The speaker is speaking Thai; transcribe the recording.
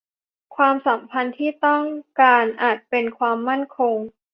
ความสัมพันธ์ที่ต้องการอาจเป็นความมั่นคง